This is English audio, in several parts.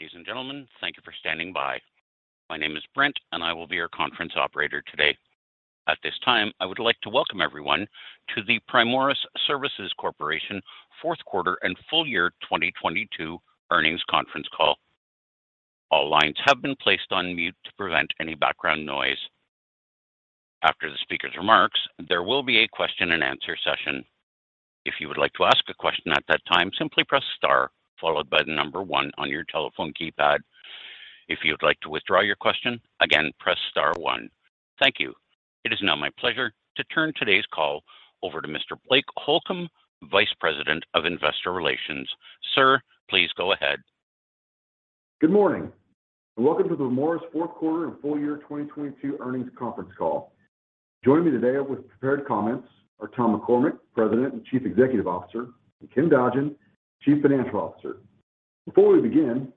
Ladies and gentlemen, thank you for standing by. My name is Brent, and I will be your conference operator today. At this time, I would like to welcome everyone to the Primoris Services Corporation fourth quarter and full-year 2022 earnings conference call. All lines have been placed on mute to prevent any background noise. After the speaker's remarks, there will be a question-and-answer session. If you would like to ask a question at that time, simply press star followed by the number one on your telephone keypad. If you would like to withdraw your question, again, press star one. Thank you. It is now my pleasure to turn today's call over to Mr. Blake Holcomb, Vice President of Investor Relations. Sir, please go ahead. Good morning and welcome to the Primoris fourth quarter and full-year 2022 earnings conference call. Joining me today with prepared comments are Tom McCormick, President and Chief Executive Officer, and Ken Dodgen, Chief Financial Officer. Before we begin,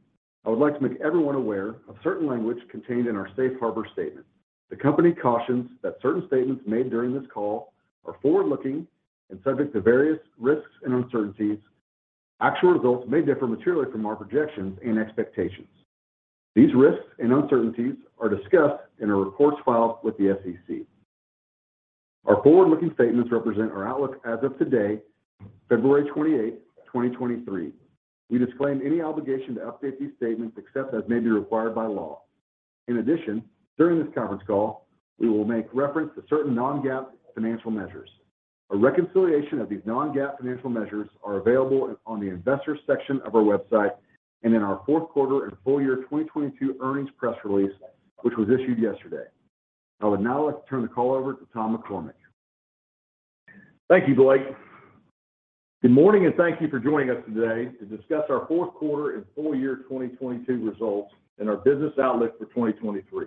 I would like to make everyone aware of certain language contained in our Safe Harbor statement. The company cautions that certain statements made during this call are forward-looking and subject to various risks and uncertainties. Actual results may differ materially from our projections and expectations. These risks and uncertainties are discussed in our reports filed with the SEC. Our forward-looking statements represent our outlook as of today, February 28, 2023. We disclaim any obligation to update these statements except as may be required by law. During this conference call, we will make reference to certain non-GAAP financial measures. A reconciliation of these non-GAAP financial measures are available on the Investors section of our website and in our fourth quarter and full-year 2022 earnings press release, which was issued yesterday. I would now like to turn the call over to Tom McCormick. Thank you, Blake. Good morning and thank you for joining us today to discuss our fourth quarter and full-year 2022 results and our business outlook for 2023.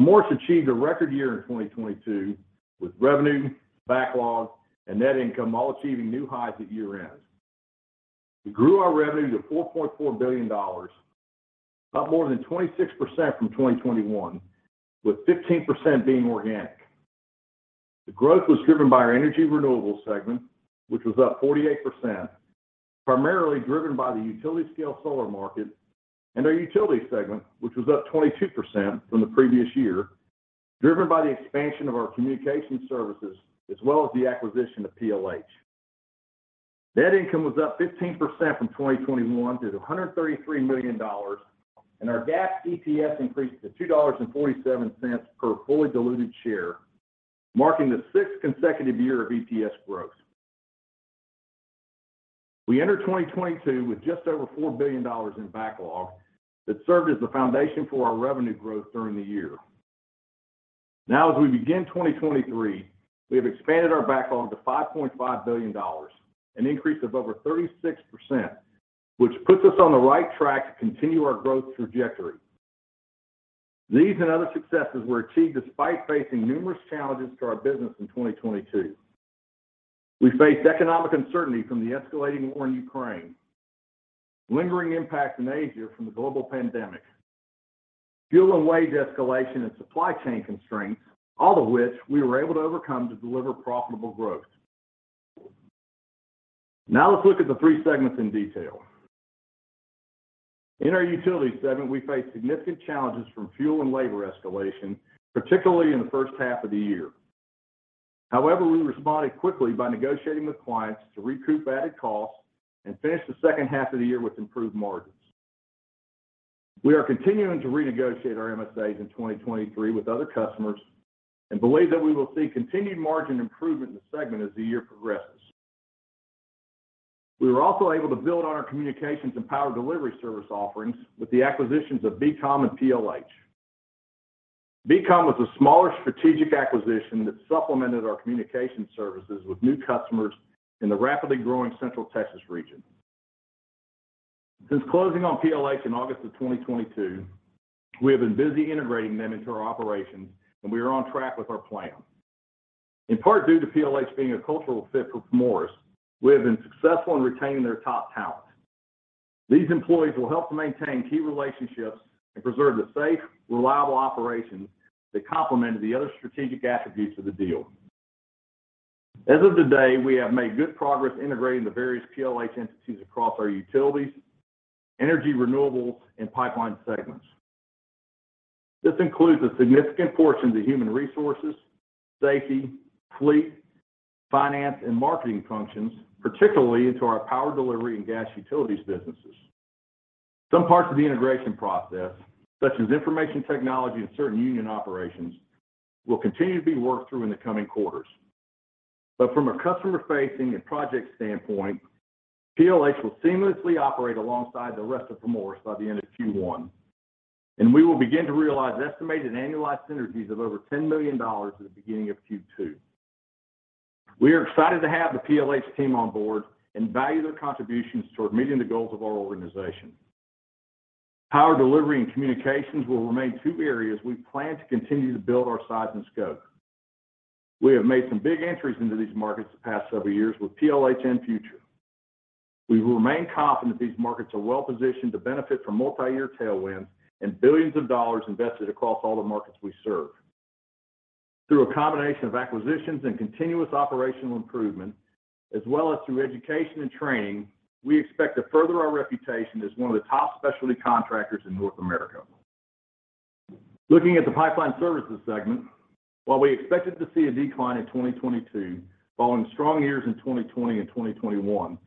Primoris achieved a record year in 2022 with revenue, backlog, and net income all achieving new highs at year-end. We grew our revenue to $4.4 billion, up more than 26% from 2021, with 15% being organic. The growth was driven by our Energy/Renewables segment, which was up 48%, primarily driven by the utility scale solar market and our Utilities segment, which was up 22% from the previous year, driven by the expansion of our communication services as well as the acquisition of PLH. Net income was up 15% from 2021 to $133 million, and our GAAP EPS increased to $2.47 per fully diluted share, marking the sixth consecutive year of EPS growth. We entered 2022 with just over $4 billion in backlog that served as the foundation for our revenue growth during the year. Now as we begin 2023, we have expanded our backlog to $5.5 billion, an increase of over 36%, which puts us on the right track to continue our growth trajectory. These and other successes were achieved despite facing numerous challenges to our business in 2022. We faced economic uncertainty from the escalating war in Ukraine, lingering impacts in Asia from the global pandemic, fuel and wage escalation and supply chain constraints, all of which we were able to overcome to deliver profitable growth. Let's look at the three segments in detail. In our Utilities segment, we faced significant challenges from fuel and labor escalation, particularly in the first half of the year. We responded quickly by negotiating with clients to recoup added costs and finish the second half of the year with improved margins. We are continuing to renegotiate our MSAs in 2023 with other customers and believe that we will see continued margin improvement in the segment as the year progresses. We were also able to build on our communications and power delivery service offerings with the acquisitions of B Comm and PLH. B Comm was a smaller strategic acquisition that supplemented our communication services with new customers in the rapidly growing Central Texas region. Since closing on PLH in August of 2022, we have been busy integrating them into our operations, and we are on track with our plan. In part due to PLH being a cultural fit for Primoris, we have been successful in retaining their top talent. These employees will help to maintain key relationships and preserve the safe, reliable operations that complemented the other strategic attributes of the deal. As of today, we have made good progress integrating the various PLH entities across our Utilities, Energy/Renewables, and Pipeline segments. This includes a significant portion of the human resources, safety, fleet, finance, and marketing functions, particularly into our power delivery and gas utilities businesses. Some parts of the integration process, such as information technology and certain union operations, will continue to be worked through in the coming quarters. From a customer-facing and project standpoint, PLH will seamlessly operate alongside the rest of Primoris by the end of Q1, and we will begin to realize estimated annualized synergies of over $10 million at the beginning of Q2. We are excited to have the PLH team on board and value their contributions toward meeting the goals of our organization. Power delivery and communications will remain two areas we plan to continue to build our size and scope. We have made some big entries into these markets the past several years with PLH in future. We will remain confident these markets are well-positioned to benefit from multiyear tailwinds and billions of dollars invested across all the markets we serve. Through a combination of acquisitions and continuous operational improvement, as well as through education and training, we expect to further our reputation as one of the top specialty contractors in North America. Looking at the Pipeline Services segment, while we expected to see a decline in 2022 following strong years in 2020 and 2021,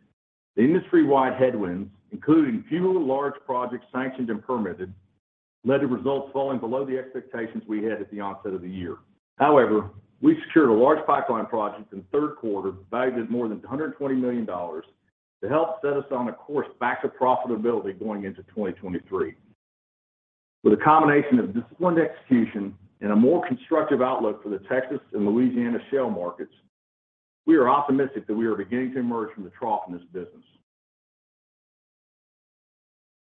the industry-wide headwinds, including few large projects sanctioned and permitted, led to results falling below the expectations we had at the onset of the year. However, we secured a large pipeline project in the third quarter valued at more than $120 million to help set us on a course back to profitability going into 2023. With a combination of disciplined execution and a more constructive outlook for the Texas and Louisiana shale markets, we are optimistic that we are beginning to emerge from the trough in this business.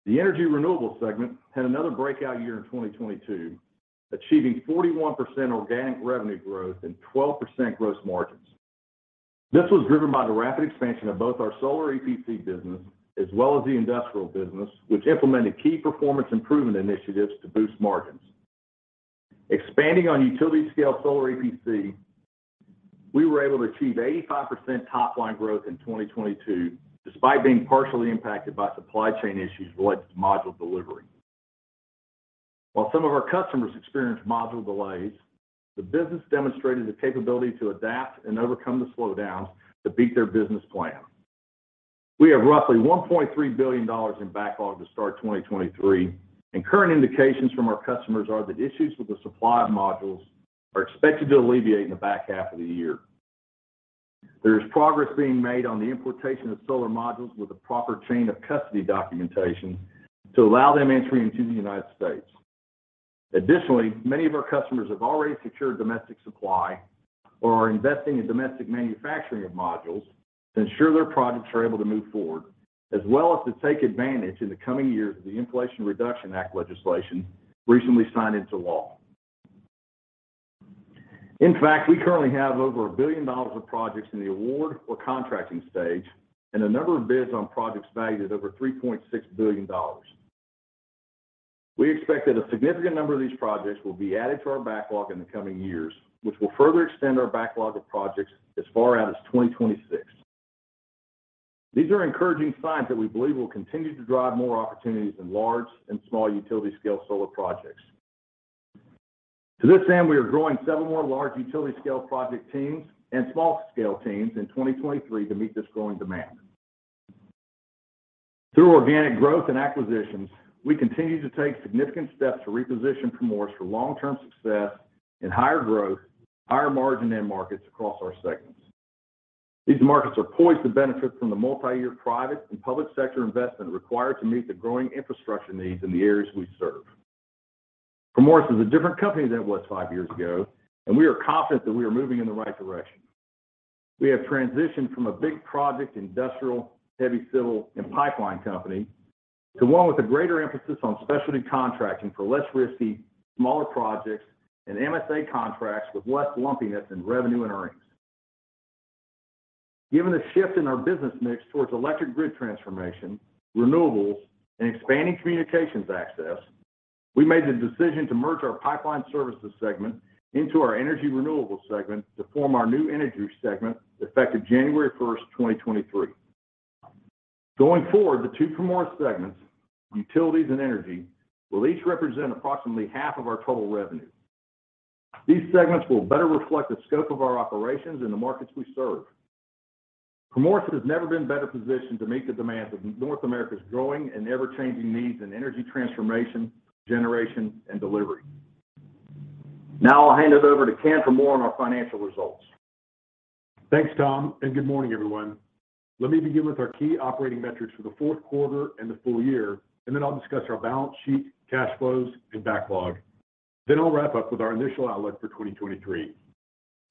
The Energy/Renewables segment had another breakout year in 2022, achieving 41% organic revenue growth and 12% gross margins. This was driven by the rapid expansion of both our solar EPC business as well as the industrial business, which implemented key performance improvement initiatives to boost margins. Expanding on utility scale solar EPC, we were able to achieve 85% top-line growth in 2022 despite being partially impacted by supply chain issues related to module delivery. While some of our customers experienced module delays, the business demonstrated the capability to adapt and overcome the slowdowns to beat their business plan. We have roughly $1.3 billion in backlog to start 2023. Current indications from our customers are that issues with the supply of modules are expected to alleviate in the back half of the year. There is progress being made on the importation of solar modules with the proper chain of custody documentation to allow them entry into the United States. Additionally, many of our customers have already secured domestic supply or are investing in domestic manufacturing of modules to ensure their projects are able to move forward, as well as to take advantage in the coming years of the Inflation Reduction Act legislation recently signed into law. In fact, we currently have over $1 billion of projects in the award or contracting stage and a number of bids on projects valued at over $3.6 billion. We expect that a significant number of these projects will be added to our backlog in the coming years, which will further extend our backlog of projects as far out as 2026. These are encouraging signs that we believe will continue to drive more opportunities in large and small utility scale solar projects. To this end, we are growing several more large utility scale project teams and small-scale teams in 2023 to meet this growing demand. Through organic growth and acquisitions, we continue to take significant steps to reposition Primoris for long-term success in higher growth, higher margin end markets across our segments. These markets are poised to benefit from the multiyear private and public sector investment required to meet the growing infrastructure needs in the areas we serve. Primoris is a different company than it was five years ago, and we are confident that we are moving in the right direction. We have transitioned from a big project, industrial, heavy, civil and pipeline company to one with a greater emphasis on specialty contracting for less risky, smaller projects and MSA contracts with less lumpiness in revenue and earnings. Given the shift in our business mix towards electric grid transformation, renewables, and expanding communications access, we made the decision to merge our Pipeline Services segment into our Energy/Renewables segment to form our new Energy segment effective January 1st, 2023. Going forward, the two Primoris segments, Utilities and Energy, will each represent approximately half of our total revenue. These segments will better reflect the scope of our operations in the markets we serve. Primoris has never been better positioned to meet the demands of North America's growing and ever-changing needs in energy transformation, generation, and delivery. I'll hand it over to Ken for more on our financial results. Thanks, Tom. Good morning, everyone. Let me begin with our key operating metrics for the fourth quarter and the full year. I'll discuss our balance sheet, cash flows, and backlog. I'll wrap up with our initial outlook for 2023.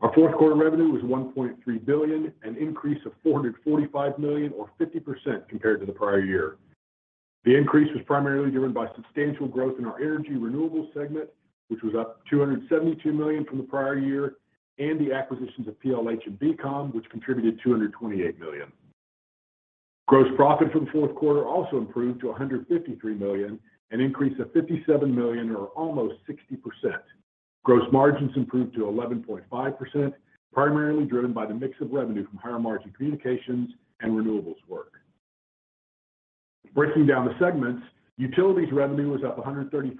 Our fourth quarter revenue was $1.3 billion, an increase of $445 million or 50% compared to the prior year. The increase was primarily driven by substantial growth in our Energy/Renewables segment, which was up $272 million from the prior year, and the acquisitions of PLH and B Comm, which contributed $228 million. Gross profit for the fourth quarter also improved to $153 million, an increase of $57 million or almost 60%. Gross margins improved to 11.5%, primarily driven by the mix of revenue from higher margin communications and renewables work. Breaking down the segments, Utilities revenue was up $133.6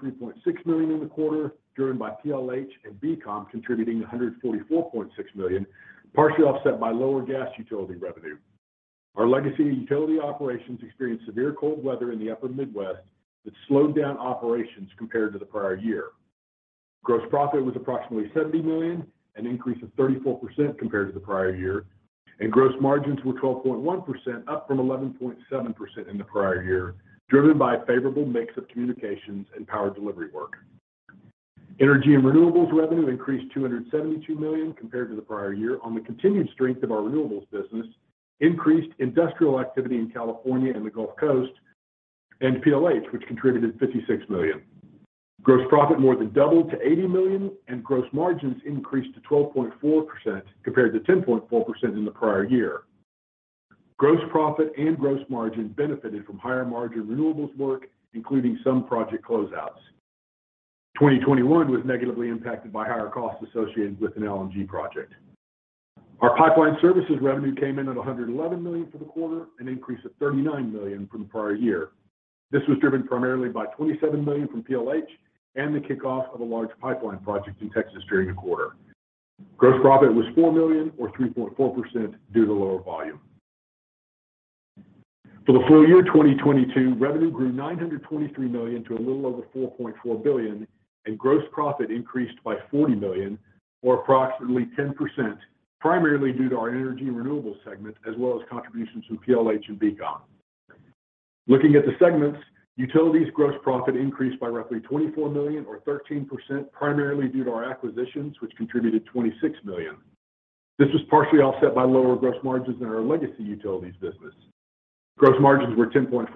million in the quarter, driven by PLH and B Comm contributing $144.6 million, partially offset by lower gas utility revenue. Our legacy utility operations experienced severe cold weather in the upper Midwest that slowed down operations compared to the prior year. Gross profit was approximately $70 million, an increase of 34% compared to the prior year, and gross margins were 12.1%, up from 11.7% in the prior year, driven by a favorable mix of communications and power delivery work. Energy and Renewables revenue increased $272 million compared to the prior year on the continued strength of our renewables business, increased industrial activity in California and the Gulf Coast, and PLH, which contributed $56 million. Gross profit more than doubled to $80 million, and gross margins increased to 12.4% compared to 10.4% in the prior year. Gross profit and gross margin benefited from higher margin renewables work, including some project closeouts. 2021 was negatively impacted by higher costs associated with an LNG project. Our Pipeline Services revenue came in at $111 million for the quarter, an increase of $39 million from the prior year. This was driven primarily by $27 million from PLH and the kickoff of a large pipeline project in Texas during the quarter. Gross profit was $4 million or 3.4% due to lower volume. For the full-year 2022, revenue grew $923 million to a little over $4.4 billion, and gross profit increased by $40 million or approximately 10%, primarily due to our Energy and Renewables segment, as well as contributions from PLH and B Comm. Looking at the segments, Utilities gross profit increased by roughly $24 million or 13%, primarily due to our acquisitions, which contributed $26 million. This was partially offset by lower gross margins in our legacy utilities business. Gross margins were 10.4%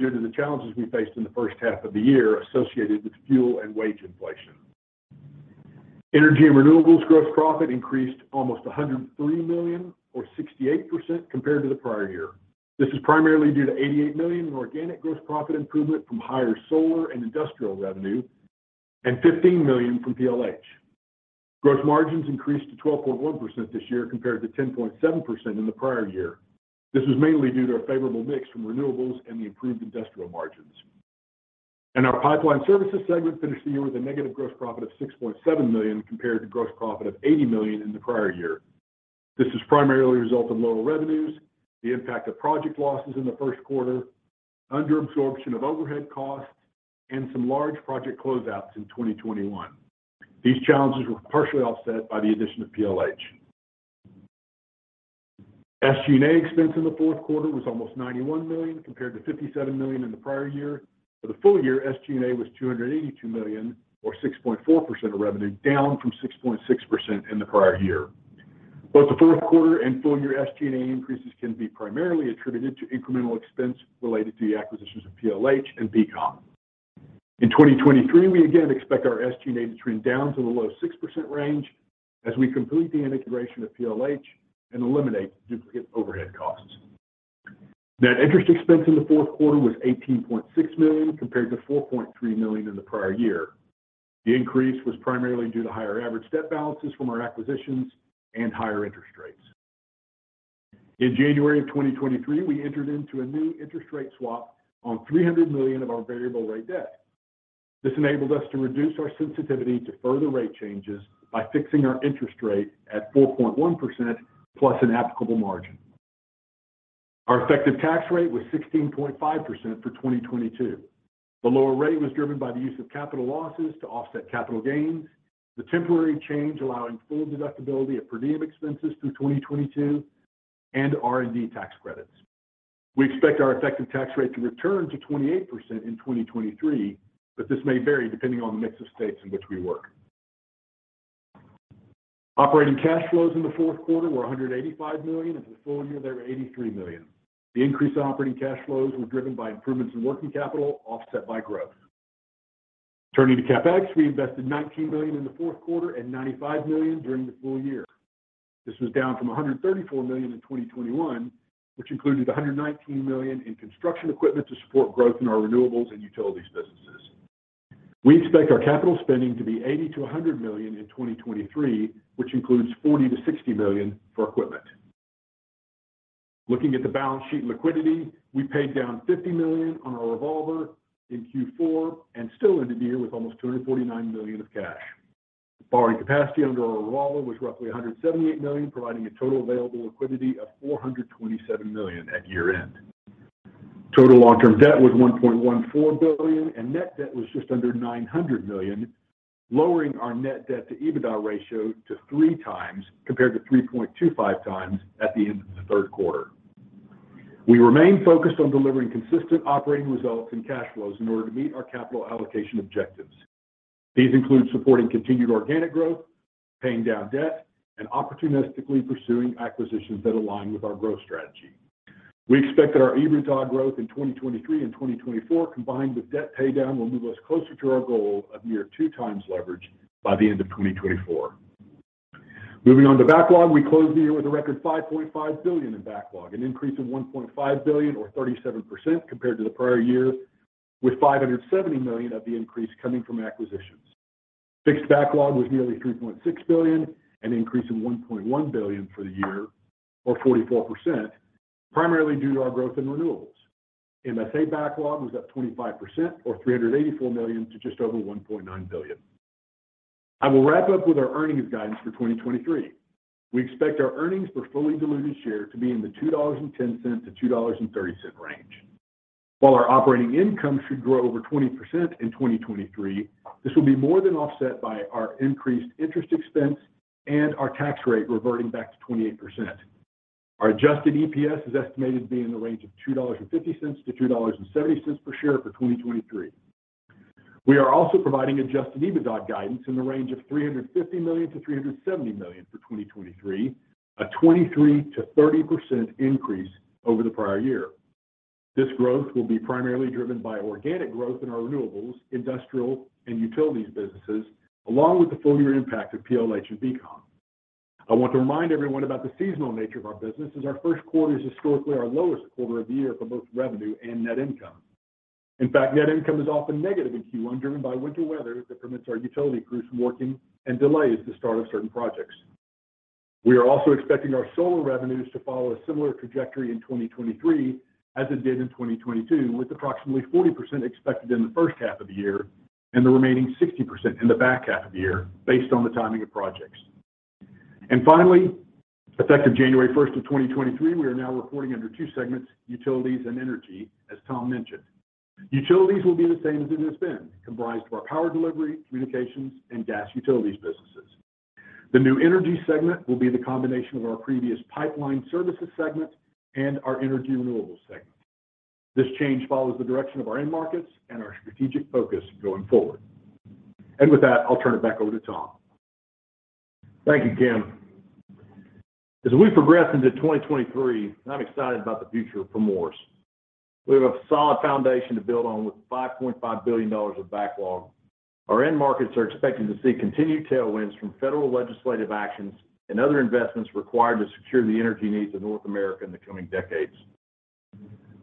due to the challenges we faced in the first half of the year associated with fuel and wage inflation. Energy and Renewables gross profit increased almost $103 million or 68% compared to the prior year. This is primarily due to $88 million in organic gross profit improvement from higher solar and industrial revenue and $15 million from PLH. Gross margins increased to 12.1% this year compared to 10.7% in the prior year. This was mainly due to a favorable mix from renewables and the improved industrial margins. Our Pipeline Services segment finished the year with a negative gross profit of $6.7 million compared to gross profit of $80 million in the prior year. This is primarily a result of lower revenues, the impact of project losses in the first quarter, under absorption of overhead costs, and some large project closeouts in 2021. These challenges were partially offset by the addition of PLH. SG&A expense in the fourth quarter was almost $91 million compared to $57 million in the prior year. For the full year, SG&A was $282 million or 6.4% of revenue, down from 6.6% in the prior year. Both the fourth quarter and full-year SG&A increases can be primarily attributed to incremental expense related to the acquisitions of PLH and B Comm. In 2023, we again expect our SG&A to trend down to the low 6% range as we complete the integration of PLH and eliminate duplicate overhead costs. Net interest expense in the fourth quarter was $18.6 million compared to $4.3 million in the prior year. The increase was primarily due to higher average debt balances from our acquisitions and higher interest rates. In January of 2023, we entered into a new interest rate swap on $300 million of our variable rate debt. This enabled us to reduce our sensitivity to further rate changes by fixing our interest rate at 4.1% plus an applicable margin. Our effective tax rate was 16.5% for 2022. The lower rate was driven by the use of capital losses to offset capital gains, the temporary change allowing full deductibility of per diem expenses through 2022 and R&D tax credits. We expect our effective tax rate to return to 28% in 2023, but this may vary depending on the mix of states in which we work. Operating cash flows in the fourth quarter were $185 million, and for the full year they were $83 million. The increase in operating cash flows was driven by improvements in working capital offset by growth. Turning to CapEx, we invested $19 million in the fourth quarter and $95 million during the full year. This was down from $134 million in 2021, which included $119 million in construction equipment to support growth in our renewables and utilities businesses. We expect our capital spending to be $80 million-$100 million in 2023, which includes $40 million-$60 million for equipment. Looking at the balance sheet liquidity, we paid down $50 million on our revolver in Q4 and still ended the year with almost $249 million of cash. Borrowing capacity under our revolver was roughly $178 million, providing a total available liquidity of $427 million at year-end. Total long-term debt was $1.14 billion, net debt was just under $900 million, lowering our net debt to EBITDA ratio to 3x compared to 3.25x at the end of the third quarter. We remain focused on delivering consistent operating results and cash flows in order to meet our capital allocation objectives. These include supporting continued organic growth, paying down debt, and opportunistically pursuing acquisitions that align with our growth strategy. We expect that our EBITDA growth in 2023 and 2024 combined with debt paydown will move us closer to our goal of near 2x leverage by the end of 2024. Moving on to backlog, we closed the year with a record $5.5 billion in backlog, an increase of $1.5 billion or 37% compared to the prior year, with $570 million of the increase coming from acquisitions. Fixed backlog was nearly $3.6 billion, an increase of $1.1 billion for the year or 44%, primarily due to our growth in renewables. MSA backlog was up 25% or $384 million to just over $1.9 billion. I will wrap up with our earnings guidance for 2023. We expect our earnings per fully diluted share to be in the $2.10-$2.30 range. While our operating income should grow over 20% in 2023, this will be more than offset by our increased interest expense and our tax rate reverting back to 28%. Our adjusted EPS is estimated to be in the range of $2.50-$2.70 per share for 2023. We are also providing adjusted EBITDA guidance in the range of $350 million-$370 million for 2023, a 23%-30% increase over the prior year. This growth will be primarily driven by organic growth in our renewables, industrial, and utilities businesses, along with the full-year impact of PLH and B Comm. I want to remind everyone about the seasonal nature of our business, as our first quarter is historically our lowest quarter of the year for both revenue and net income. In fact, net income is often negative in Q1, driven by winter weather that prevents our utility crews from working and delays the start of certain projects. We are also expecting our solar revenues to follow a similar trajectory in 2023 as it did in 2022, with approximately 40% expected in the first half of the year and the remaining 60% in the back half of the year based on the timing of projects. Finally, effective January 1st of 2023, we are now reporting under two segments, Utilities and Energy, as Tom mentioned. Utilities will be the same as it has been, comprised of our power delivery, communications, and gas utilities businesses. The new Energy segment will be the combination of our previous Pipeline Services segment and our Energy/Renewables segment. This change follows the direction of our end markets and our strategic focus going forward. With that, I'll turn it back over to Tom. Thank you, Ken. As we progress into 2023, I'm excited about the future of Primoris. We have a solid foundation to build on with $5.5 billion of backlog. Our end markets are expected to see continued tailwinds from federal legislative actions and other investments required to secure the energy needs of North America in the coming decades.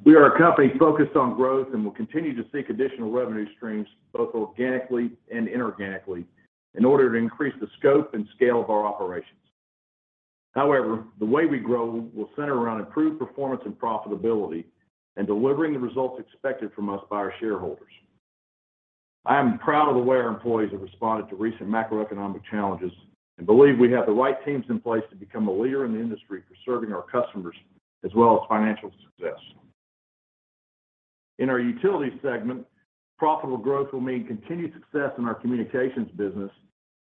We are a company focused on growth and will continue to seek additional revenue streams, both organically and inorganically, in order to increase the scope and scale of our operations. The way we grow will center around improved performance and profitability and delivering the results expected from us by our shareholders. I am proud of the way our employees have responded to recent macroeconomic challenges and believe we have the right teams in place to become a leader in the industry for serving our customers as well as financial success. In our Utilities segment, profitable growth will mean continued success in our communications business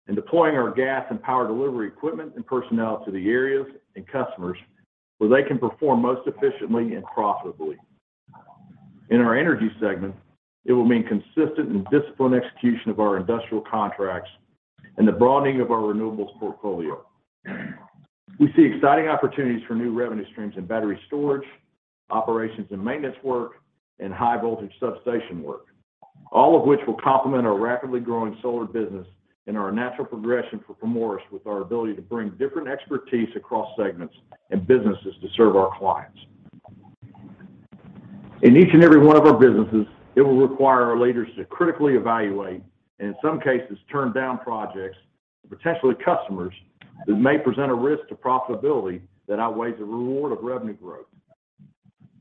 and deploying our gas and power delivery equipment and personnel to the areas and customers where they can perform most efficiently and profitably. In our Energy segment, it will mean consistent and disciplined execution of our industrial contracts and the broadening of our renewables portfolio. We see exciting opportunities for new revenue streams in battery storage, operations and maintenance work, and high voltage substation work, all of which will complement our rapidly growing solar business and are a natural progression for Primoris with our ability to bring different expertise across segments and businesses to serve our clients. In each and every one of our businesses, it will require our leaders to critically evaluate and in some cases turn down projects, potentially customers, that may present a risk to profitability that outweighs the reward of revenue growth.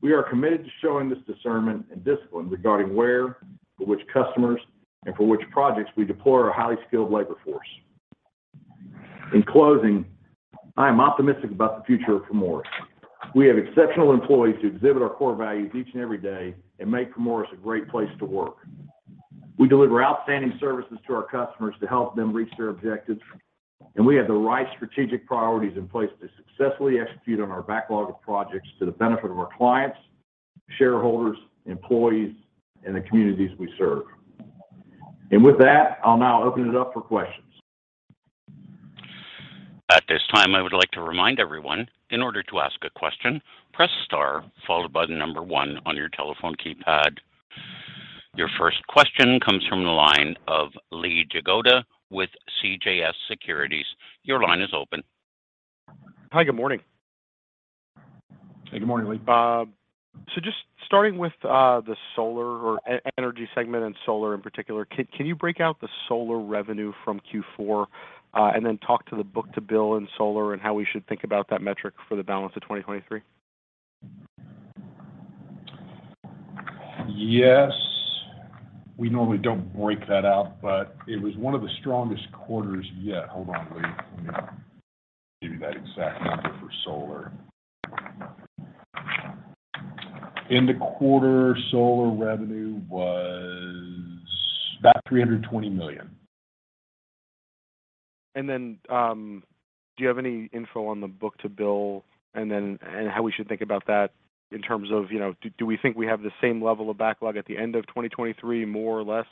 We are committed to showing this discernment and discipline regarding where, for which customers, and for which projects we deploy our highly skilled labor force. In closing, I am optimistic about the future of Primoris. We have exceptional employees who exhibit our core values each and every day and make Primoris a great place to work. We deliver outstanding services to our customers to help them reach their objectives, and we have the right strategic priorities in place to successfully execute on our backlog of projects to the benefit of our clients, shareholders, employees, and the communities we serve. With that, I'll now open it up for questions. At this time, I would like to remind everyone, in order to ask a question, press star followed by the number one on your telephone keypad. Your first question comes from the line of Lee Jagoda with CJS Securities. Your line is open. Hi, good morning. Hey. Good morning, Lee. Just starting with the solar or Energy segment and solar in particular, can you break out the solar revenue from Q4, and then talk to the book-to-bill in solar and how we should think about that metric for the balance of 2023? Yes. We normally don't break that out, but it was one of the strongest quarters yet. Hold on, Lee. Let me give you that exact number for solar. In the quarter, solar revenue was about $320 million. Do you have any info on the book-to-bill and how we should think about that in terms of, you know, do we think we have the same level of backlog at the end of 2023, more or less?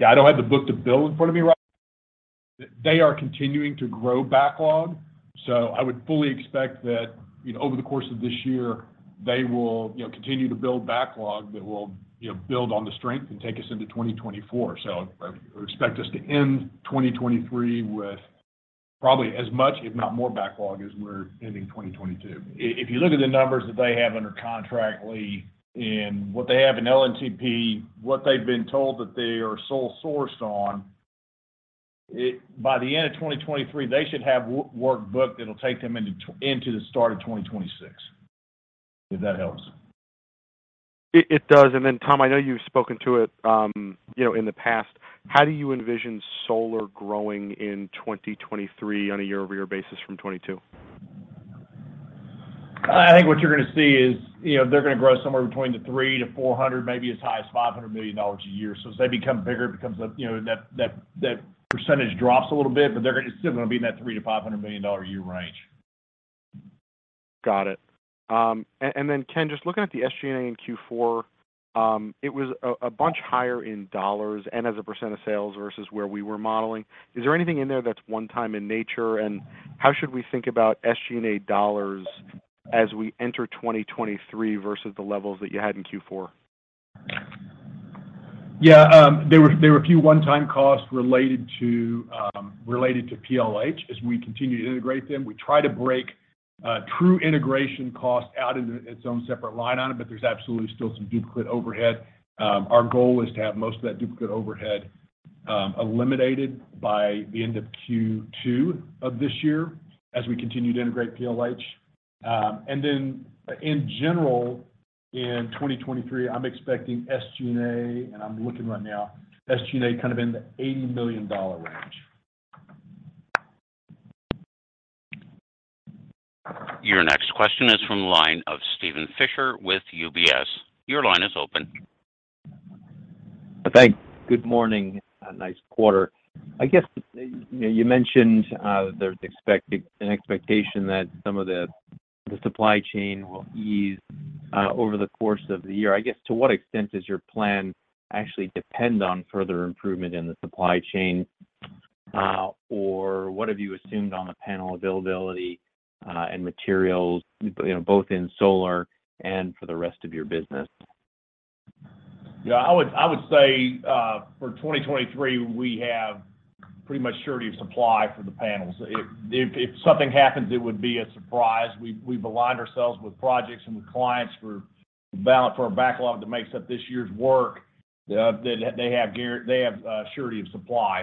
Yeah, I don't have the book-to-bill in front of me. They are continuing to grow backlog. I would fully expect that, you know, over the course of this year, they will, you know, continue to build backlog that will, you know, build on the strength and take us into 2024. I expect us to end 2023 with probably as much, if not more backlog as we're ending 2022. If you look at the numbers that they have under contract, Lee, and what they have in LNTP, what they've been told that they are sole sourced on, by the end of 2023, they should have work booked that'll take them into the start of 2026, if that helps. It, it does. Tom, I know you've spoken to it, you know, in the past. How do you envision solar growing in 2023 on a year-over-year basis from 2022? I think what you're going to see is, you know, they're going to grow somewhere between $300 million-$400 million, maybe as high as $500 million a year. As they become bigger, it becomes a, you know, that percentage drops a little bit, but they're still gonna be in that $300 million-$500 million a year range. Got it. Then Ken, just looking at the SG&A in Q4, it was a bunch higher in dollars and as a percent of sales versus where we were modeling. Is there anything in there that's one time in nature, and how should we think about SG&A dollars as we enter 2023 versus the levels that you had in Q4? There were a few one-time costs related to PLH as we continue to integrate them. We try to break true integration costs out into its own separate line on it, but there's absolutely still some duplicate overhead. Our goal is to have most of that duplicate overhead eliminated by the end of Q2 of this year as we continue to integrate PLH. And then in general, in 2023, I'm expecting SG&A, and I'm looking right now, SG&A kind of in the $80 million range. Your next question is from the line of Steven Fisher with UBS. Your line is open. Thanks. Good morning. A nice quarter. I guess, you mentioned, there's an expectation that some of the supply chain will ease over the course of the year. I guess, to what extent does your plan actually depend on further improvement in the supply chain? What have you assumed on the panel availability and materials, you know, both in solar and for the rest of your business? Yeah. I would say, for 2023, we have pretty much surety of supply for the panels. If something happens, it would be a surprise. We've aligned ourselves with projects and with clients for a backlog that makes up this year's work, that they have surety of supply.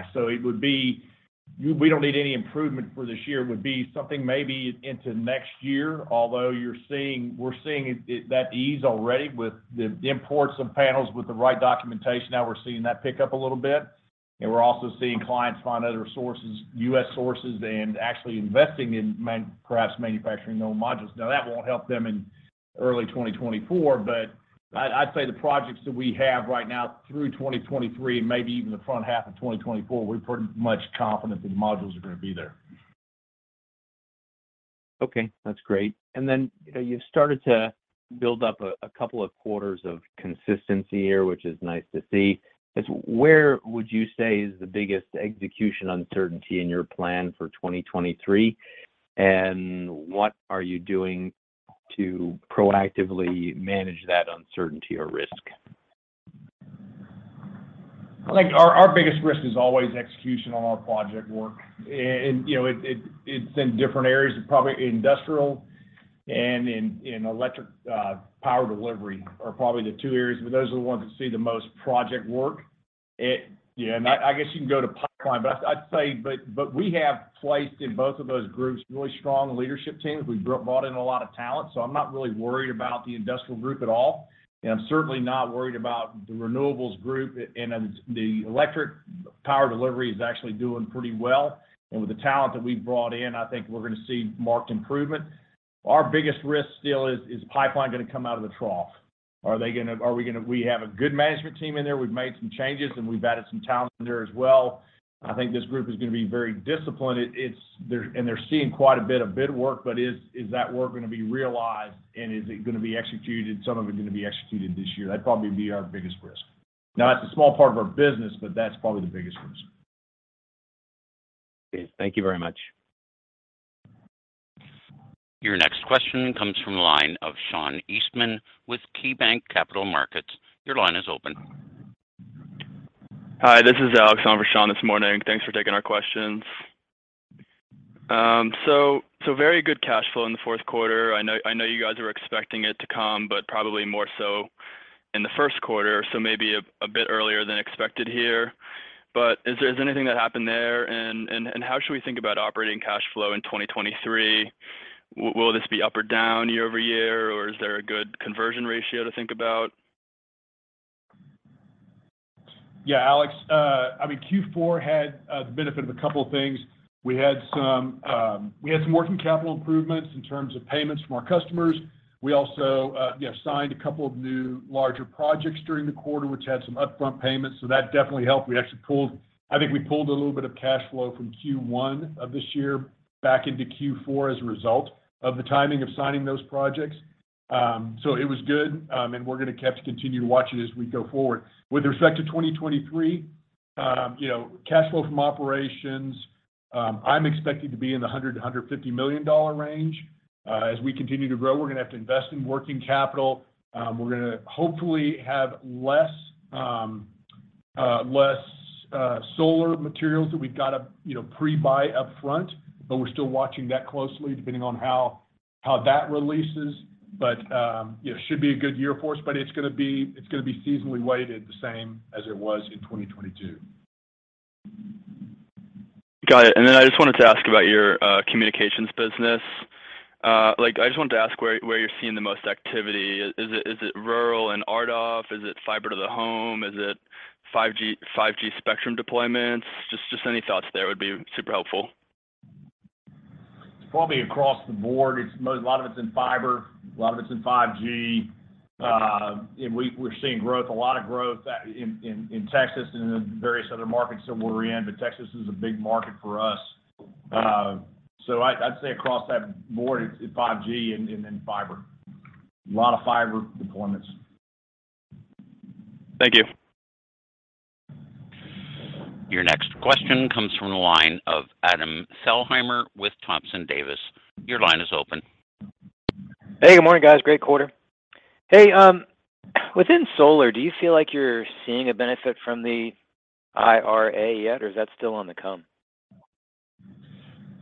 We don't need any improvement for this year. It would be something maybe into next year, although we're seeing that ease already with the imports of panels with the right documentation. Now we're seeing that pick up a little bit. We're also seeing clients find other sources, U.S. sources, and actually investing in perhaps manufacturing their own modules. That won't help them in early 2024, but I'd say the projects that we have right now through 2023, and maybe even the front half of 2024, we're pretty much confident that the modules are gonna be there. Okay, that's great. Then, you know, you've started to build up a couple of quarters of consistency here, which is nice to see. Where would you say is the biggest execution uncertainty in your plan for 2023? What are you doing to proactively manage that uncertainty or risk? I think our biggest risk is always execution on our project work. You know, it's in different areas, probably industrial and in electric power delivery are probably the two areas. Those are the ones that see the most project work. Yeah. I guess you can go to pipeline, but I'd say. We have placed in both of those groups really strong leadership teams. We bought in a lot of talent, so I'm not really worried about the industrial group at all. I'm certainly not worried about the renewables group. The electric power delivery is actually doing pretty well. With the talent that we've brought in, I think we're gonna see marked improvement. Our biggest risk still is pipeline gonna come out of the trough? We have a good management team in there. We've made some changes, and we've added some talent in there as well. I think this group is gonna be very disciplined. They're seeing quite a bit of bid work, but is that work gonna be realized, and is it gonna be executed, some of it gonna be executed this year? That'd probably be our biggest risk. Now, that's a small part of our business, but that's probably the biggest risk. Okay. Thank you very much. Your next question comes from the line of Sean Eastman with KeyBanc Capital Markets. Your line is open. Hi. This is Alex on for Sean this morning. Thanks for taking our questions. Very good cash flow in the fourth quarter. I know you guys were expecting it to come, but probably more so in the first quarter, so maybe a bit earlier than expected here. Is there anything that happened there? How should we think about operating cash flow in 2023? Will this be up or down year-over-year, or is there a good conversion ratio to think about? Yeah, Alex. I mean, Q4 had the benefit of a couple of things. We had some working capital improvements in terms of payments from our customers. We also, you know, signed a couple of new larger projects during the quarter, which had some upfront payments. That definitely helped. We actually, I think we pulled a little bit of cash flow from Q1 of this year back into Q4 as a result of the timing of signing those projects. It was good, and we're gonna have to continue to watch it as we go forward. With respect to 2023, you know, cash flow from operations, I'm expecting to be in the $100 million-$150 million range. As we continue to grow, we're gonna have to invest in working capital. We're gonna hopefully have less solar materials that we've got to, you know, pre-buy upfront, but we're still watching that closely depending on how that releases. You know, should be a good year for us, but it's gonna be seasonally weighted the same as it was in 2022. Got it. I just wanted to ask about your communications business. Like, I just wanted to ask where you're seeing the most activity. Is it rural and RDOF? Is it fiber-to-the-home? Is it 5G spectrum deployments? Just any thoughts there would be super helpful. Probably across the board. A lot of it's in fiber, a lot of it's in 5G. We're seeing growth, a lot of growth, in Texas and in various other markets that we're in, but Texas is a big market for us. I'd say across that board it's 5G and then fiber. Lot of fiber deployments. Thank you. Your next question comes from the line of Adam Thalhimer with Thompson Davis. Your line is open. Hey. Good morning, guys. Great quarter. Hey, within solar, do you feel like you're seeing a benefit from the IRA yet, or is that still on the come?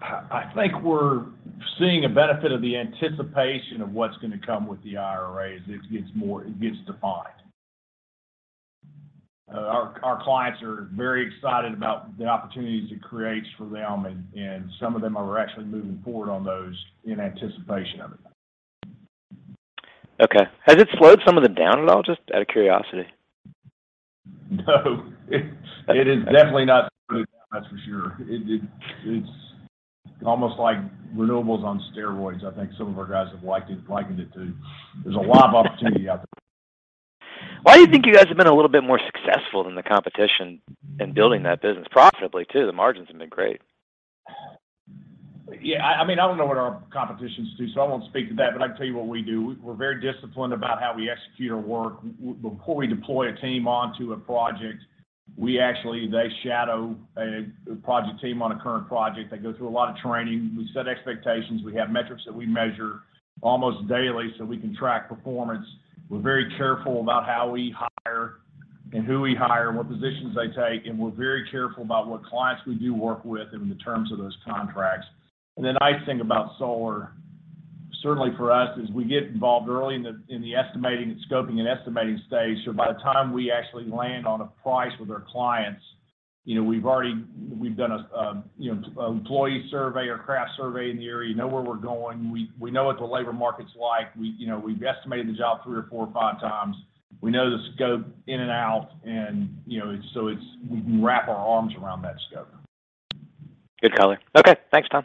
I think we're seeing a benefit of the anticipation of what's gonna come with the IRA as it gets defined. Our clients are very excited about the opportunities it creates for them and some of them are actually moving forward on those in anticipation of it. Has it slowed some of them down at all? Just out of curiosity. No. It, it is definitely not slowing them down, that's for sure. It, it's almost like renewables on steroids, I think some of our guys have likened it to. There's a lot of opportunity out there. Why do you think you guys have been a little bit more successful than the competition in building that business profitably too? The margins have been great. I mean, I don't know what our competition's doing, I won't speak to that, but I can tell you what we do. Before we deploy a team onto a project, they shadow a project team on a current project. They go through a lot of training. We set expectations. We have metrics that we measure almost daily, so we can track performance. We're very careful about how we hire and who we hire and what positions they take. We're very careful about what clients we do work with and the terms of those contracts. The nice thing about solar, certainly for us, is we get involved early in the estimating, scoping and estimating stage. By the time we actually land on a price with our clients, you know, we've already done a, you know, employee survey or craft survey in the area, know where we're going. We know what the labor market's like. You know, we've estimated the job three or four or five times. We know the scope in and out and, you know, we can wrap our arms around that scope. Good color. Okay, thanks Tom.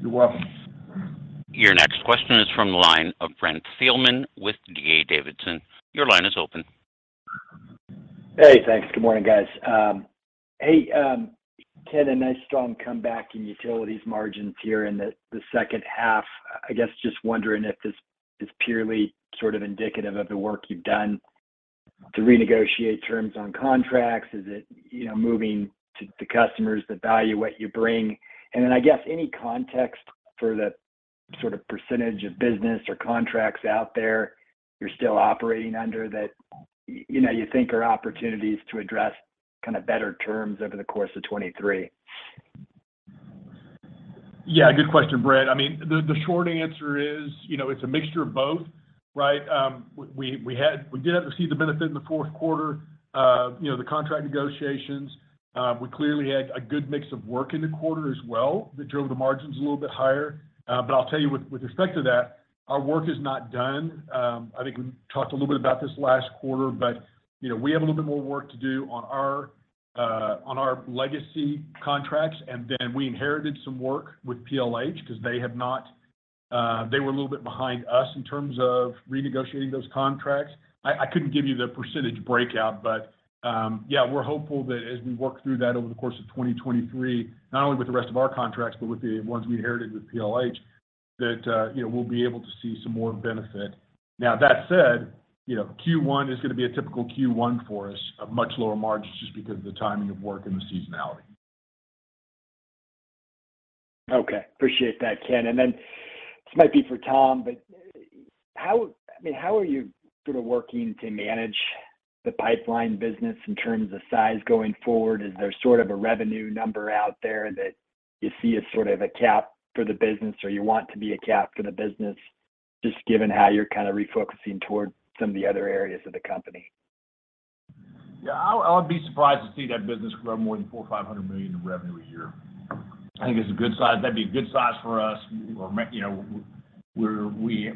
You're welcome. Your next question is from the line of Brent Thielman with D.A. Davidson. Your line is open. Hey, thanks. Good morning, guys. Hey, Ken, a nice strong comeback in Utilities margins here in the second half. I guess just wondering if this is purely sort of indicative of the work you've done to renegotiate terms on contracts. Is it, you know, moving to the customers that value what you bring? I guess any context for the sort of percentage of business or contracts out there you're still operating under that, you know, you think are opportunities to address kind of better terms over the course of 2023. Yeah. Good question, Brent. I mean, the short answer is, you know, it's a mixture of both, right? We did have to see the benefit in the fourth quarter, you know, the contract negotiations. We clearly had a good mix of work in the quarter as well that drove the margins a little bit higher. I'll tell you with respect to that, our work is not done. I think we talked a little bit about this last quarter, but, you know, we have a little bit more work to do on our legacy contracts. We inherited some work with PLH because they were a little bit behind us in terms of renegotiating those contracts. I couldn't give you the percentage breakout, but, yeah, we're hopeful that as we work through that over the course of 2023, not only with the rest of our contracts, but with the ones we inherited with PLH, that, you know, we'll be able to see some more benefit. Now, that said, you know, Q1 is gonna be a typical Q1 for us of much lower margins just because of the timing of work and the seasonality. Okay. Appreciate that, Ken. This might be for Tom, I mean, how are you sort of working to manage the Pipeline business in terms of size going forward? Is there sort of a revenue number out there that you see as sort of a cap for the business or you want to be a cap for the business, just given how you're kind of refocusing towards some of the other areas of the company? Yeah. I would be surprised to see that business grow more than $400 million or $500 million in revenue a year. I think it's a good size. That'd be a good size for us. you know,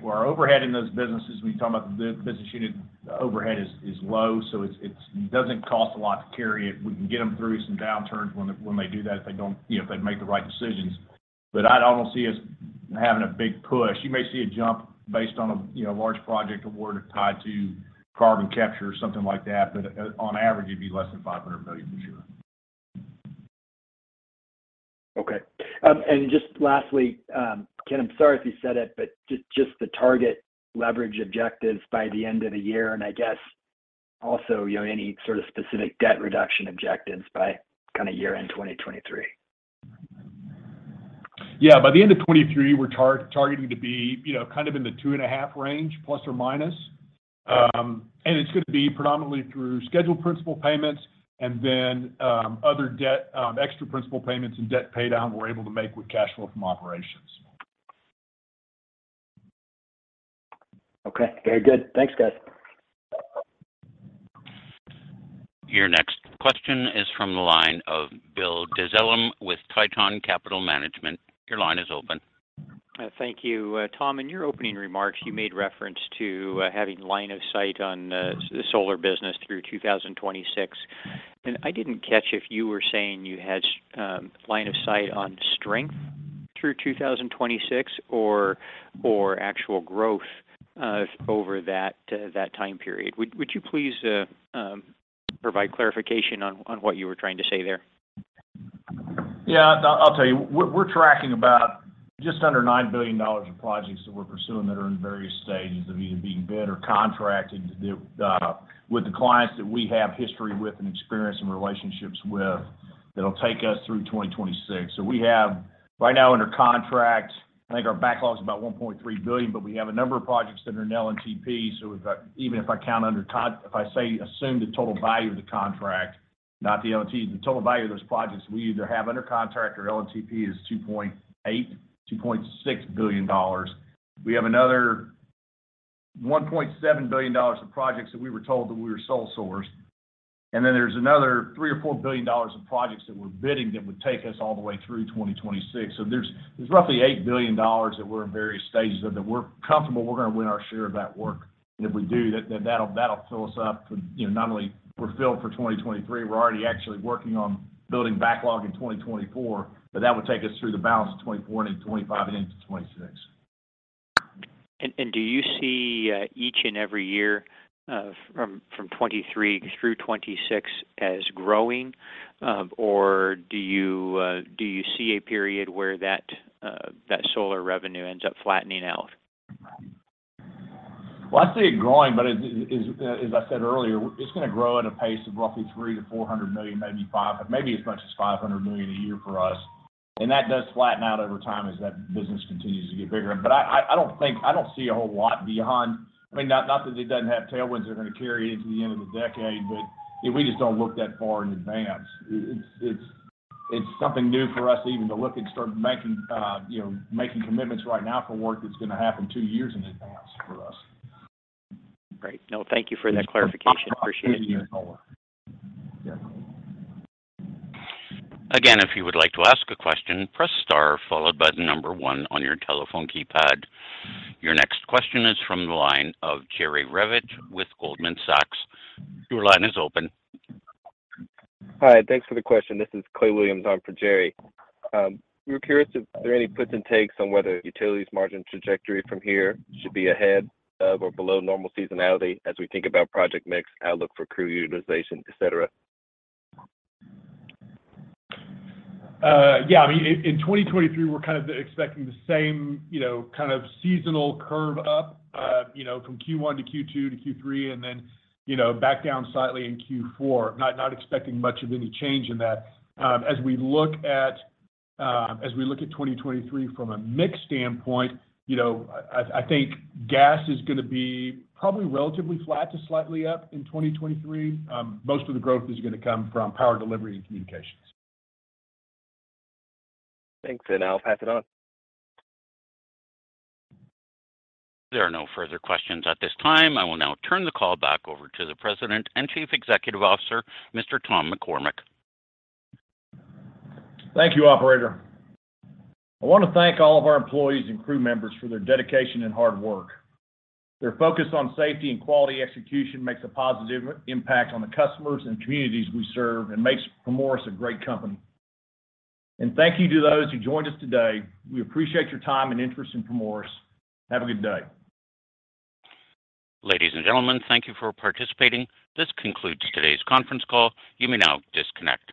our overhead in those businesses, when you're talking about the business unit, the overhead is low, so it doesn't cost a lot to carry it. We can get them through some downturns when they do that if you know, they make the right decisions. I don't see us having a big push. You may see a jump based on a, you know, large project award tied to carbon capture or something like that. On average, it'd be less than $500 million for sure. Just lastly, Ken, I'm sorry if you said it, but just the target leverage objectives by the end of the year, and I guess also, you know, any sort of specific debt reduction objectives by kind of year-end 2023? Yeah. By the end of 2023, we're targeting to be, you know, kind of in the 2.5x range, plus or minus. It's gonna be predominantly through scheduled principal payments and then, other debt, extra principal payments and debt paydown we're able to make with cash flow from operations. Okay. Very good. Thanks, guys. Your next question is from the line of Bill Dezellem with Tieton Capital Management. Your line is open. Thank you. Tom, in your opening remarks you made reference to having line of sight on the solar business through 2026. I didn't catch if you were saying you had line of sight on strength through 2026 or actual growth over that time period. Would you please provide clarification on what you were trying to say there? Yeah. I'll tell you. We're tracking about just under $9 billion in projects that we're pursuing that are in various stages of either being bid or contracted that with the clients that we have history with and experience and relationships with that'll take us through 2026. We have right now under contract, I think our backlog is about $1.3 billion, but we have a number of projects that are in LNTP. Even if I count if I say assume the total value of the contract, not the LNTP, the total value of those projects we either have under contract or LNTP is $2.8 billion, $2.6 billion. We have another $1.7 billion of projects that we were told that we were sole sourced. Then there's another $3 billion or $4 billion of projects that we're bidding that would take us all the way through 2026. There's roughly $8 billion that we're in various stages of that we're comfortable we're gonna win our share of that work. If we do, then that'll fill us up for, you know, not only we're filled for 2023, we're already actually working on building backlog in 2024, but that would take us through the balance of 2024 and in 2025 and into 2026. Do you see each and every year from 2023 through 2026 as growing or do you see a period where that solar revenue ends up flattening out? Well, I see it growing, but it is, as I said earlier, it's gonna grow at a pace of roughly $300 million-$400 million, maybe $500 million, maybe as much as $500 million a year for us. That does flatten out over time as that business continues to get bigger. I don't see a whole lot beyond... I mean, not that it doesn't have tailwinds that are gonna carry into the end of the decade, we just don't look that far in advance. It's something new for us even to look and start making, you know, making commitments right now for work that's gonna happen two years in advance for us. Great. No, thank you for that clarification. Appreciate the color. Yeah. Again, if you would like to ask a question, press star followed by one on your telephone keypad. Your next question is from the line of Jerry Revich with Goldman Sachs. Your line is open. Hi, thanks for the question. This is Clay Williams on for Jerry. We were curious if there are any puts and takes on whether Utilities margin trajectory from here should be ahead of or below normal seasonality as we think about project mix, outlook for crew utilization, et cetera. Yeah. I mean, in 2023, we're kind of expecting the same, you know, kind of seasonal curve up, you know, from Q1 to Q2 to Q3, and then, you know, back down slightly in Q4. Not expecting much of any change in that. As we look at 2023 from a mix standpoint, you know, I think gas is gonna be probably relatively flat to slightly up in 2023. Most of the growth is gonna come from power delivery and communications. Thanks, and I'll pass it on. There are no further questions at this time. I will now turn the call back over to the President and Chief Executive Officer, Mr. Tom McCormick. Thank you, operator. I wanna thank all of our employees and crew members for their dedication and hard work. Their focus on safety and quality execution makes a positive impact on the customers and communities we serve and makes Primoris a great company. Thank you to those who joined us today. We appreciate your time and interest in Primoris. Have a good day. Ladies and gentlemen, thank you for participating. This concludes today's conference call. You may now disconnect.